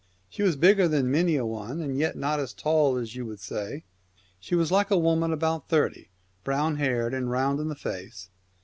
She was bigger than many a one, and yet not tall as you would say. She was like a woman about thirty, brown haired and round in the face.